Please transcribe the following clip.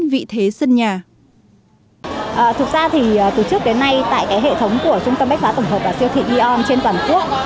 thực ra từ trước đến nay tại hệ thống của trung tâm bách phá tổng hợp và siêu thị e on trên toàn quốc